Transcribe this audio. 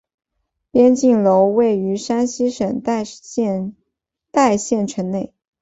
边靖楼位于山西省代县城内。